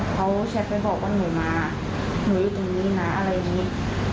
เขาแชทไปบอกว่าหนูมาหนูอยู่ตรงนี้นะอะไรอย่างนี้